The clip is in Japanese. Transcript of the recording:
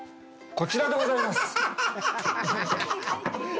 こちらでございます。